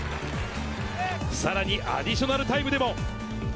さらにアディショナルタイムでも。